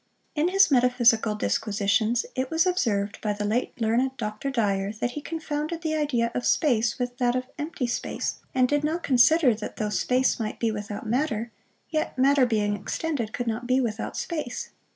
In his metaphysical disquisitions, it was observed by the late learned Dr. Dyer, that he confounded the idea of space with that of empty space, and did not consider that though space might be without matter, yet matter being extended, could not be without space.